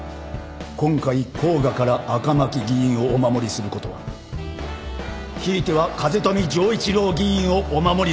今回甲賀から赤巻議員をお守りすることはひいては風富城一郎議員をお守りするということ。